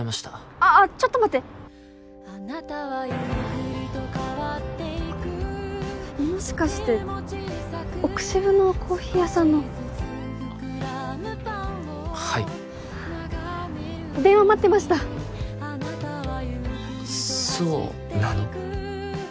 ああっちょっと待ってもしかして奥渋のコーヒー屋さんのはい電話待ってましたそうなの？